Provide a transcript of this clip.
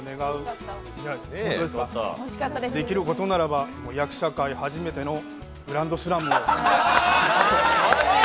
できることならば、役者界初めてのグランドスラムを。